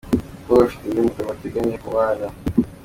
Umukobwa afite undi mugabo bateganya kubana.